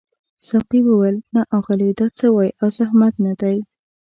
ساقي وویل نه اغلې دا څه دي او زحمت نه دی.